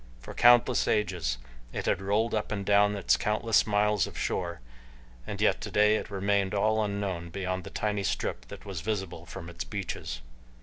For countless ages it had rolled up and down its countless miles of shore, and yet today it remained all unknown beyond the tiny strip that was visible from its beaches.